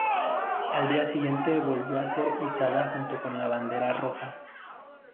Al día siguiente volvió a ser izada junto con la bandera roja.